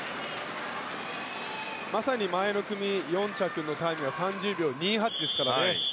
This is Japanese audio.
まさに前の組４着のタイムが３０秒２８ですからね。